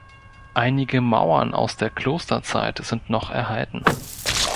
Einige Mauern aus der Klosterzeit sind noch erhalten.